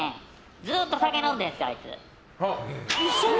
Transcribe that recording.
ずっと酒飲んでんですよ、あいつ。